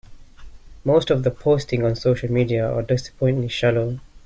Most of the postings on social media are disappointingly shallow.